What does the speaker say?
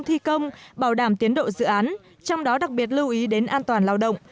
thi công bảo đảm tiến độ dự án trong đó đặc biệt lưu ý đến an toàn lao động